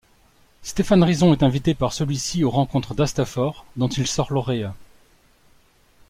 Stéphan Rizon est invité par celui-ci aux Rencontres d’Astaffort dont il sort lauréat.